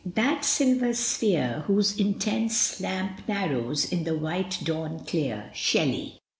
... that silver sphere Whose intense lamp narrows In the white dawn clear. Shelley.